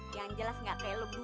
yang jelas gak teluk dua